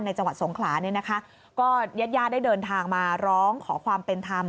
จังหวัดสงขลาเนี่ยนะคะก็ญาติญาติได้เดินทางมาร้องขอความเป็นธรรม